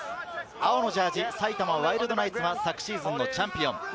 青のジャージー・埼玉ワイルドナイツは昨シーズンのチャンピオン。